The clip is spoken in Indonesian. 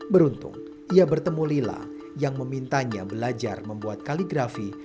beruntung ia bertemu lila yang memintanya belajar membuat kaligrafi